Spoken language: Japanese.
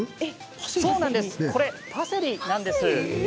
パセリなんです。